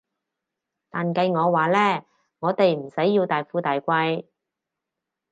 但計我話呢，我哋唔使要大富大貴